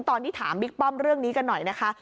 ตอนนี้ถามบิ๊กป้อมเรื่องนี้กันหน่อยนะคะ